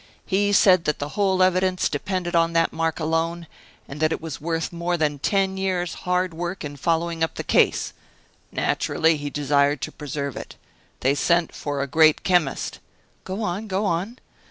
He said that the whole evidence depended on that mark alone, that it was worth more than ten years' hard work in following up the case. Naturally, he desired to preserve it. They sent for a great chemist " "Go on, go on."